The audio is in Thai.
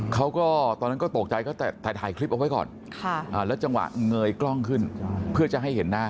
เขาก็ตอนนั้นก็ตกใจก็แต่ถ่ายคลิปเอาไว้ก่อนแล้วจังหวะเงยกล้องขึ้นเพื่อจะให้เห็นหน้า